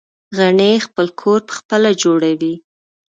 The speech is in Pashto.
غڼې خپل کور پخپله جوړوي